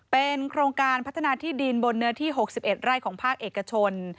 เป็นโครงการพัฒนาที่ดินบนเนื้อที่๖๑ไร่ของภาคเอกชน